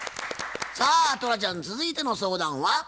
さあトラちゃん続いての相談は？